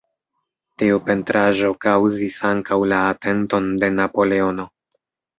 Tiu pentraĵo kaŭzis ankaŭ la atenton de Napoleono.